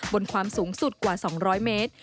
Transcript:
บนความสูงสุดกว่า๒๐๐เมตร